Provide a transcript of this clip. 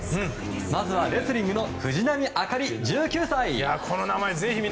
まずはレスリングの藤波朱理、１９歳。